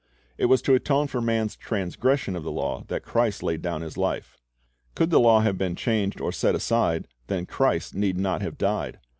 "' It was to atone for man's transgression of the law that Christ laid down His life. Could the law have been changed or set aside, then Christ need not have died.